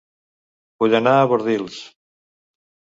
Vull anar a Bordils